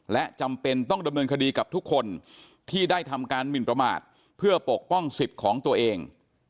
และจำเป็นต้องดำเนินคดีกับทุกคนที่ได้ทำการหมินประมาทเพื่อปกป้องสิทธิ์ของตัวเอง